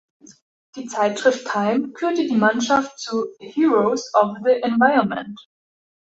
Die Zeitschrift Time kürte die Mannschaft zu Heroes of the Environment.